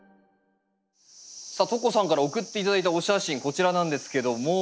さあとこさんから送って頂いたお写真こちらなんですけども。